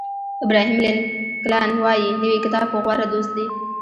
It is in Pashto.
ابراهیم لینکلن وایي نوی کتاب غوره دوست دی.